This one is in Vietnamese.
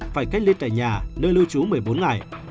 phải cách ly tại nhà nơi lưu trú bảy ngày